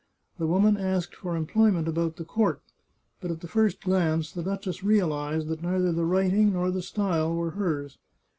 The woman asked for employment about the court, but at the first glance the duchess realized that neither the writing nor the style were hers.